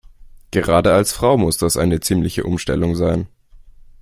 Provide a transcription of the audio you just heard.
Gerade als Frau muss das eine ziemliche Umstellung sein.